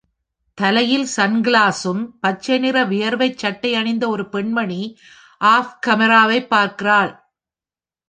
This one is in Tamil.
தலையில் சன்கிளாஸும், பச்சை நிற வியர்வைசட்டை அணிந்த ஒரு பெண்மணி ஆஃப்கேமராவைப் பார்க்கிறாள்.